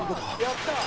やったー！